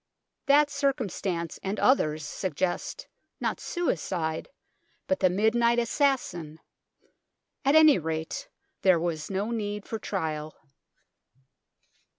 That circumstance and others suggest, not suicide, but the midnight assassin ; at any rate, there was no need for trial.